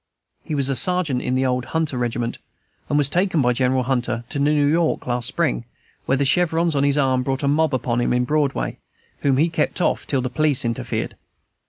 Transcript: He was a sergeant in the old "Hunter Regiment," and was taken by General Hunter to New York last spring, where the chevrons on his arm brought a mob upon him in Broadway, whom he kept off till the police interfered.